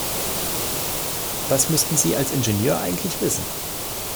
Das müssten Sie als Ingenieur eigentlich wissen.